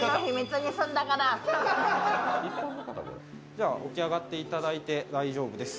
じゃあ、起き上がっていただいて大丈夫です。